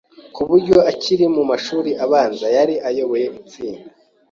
ku buryo akiri mu mashuri abanza yari ayoboye itsinda